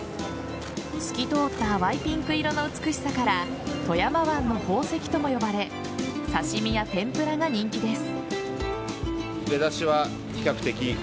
透き通った淡いピンク色の美しさから富山湾の宝石とも呼ばれ刺し身や天ぷらが人気です。